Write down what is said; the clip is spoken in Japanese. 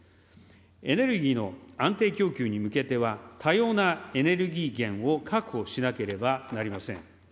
エネルギーの安定供給に向けては、多様なエネルギー源を確保しなければなりません。